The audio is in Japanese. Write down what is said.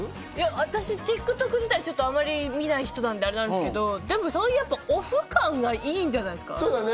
私、ＴｉｋＴｏｋ自体あまり見ない人なのであれなんですけど、オフ感がいいんじゃないですか？